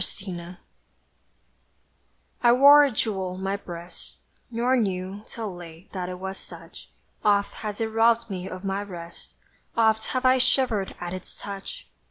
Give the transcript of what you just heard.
SORROW I wore a jewel on my breast, Nor knew, till late, that it was such; Oft hath it robbed me of my rest; Oft have I shivered at its touch!